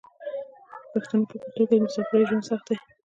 د پښتنو په کلتور کې د مسافرۍ ژوند سخت دی.